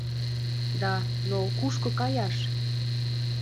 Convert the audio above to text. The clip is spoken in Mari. Да, но кушко каяш?